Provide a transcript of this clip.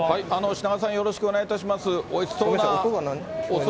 品川です、よろしくお願いいたします。